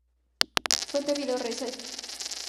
Fuente: Video Research, Ltd.